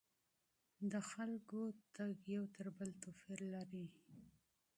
د خلکو رفتار یو تر بل توپیر لري.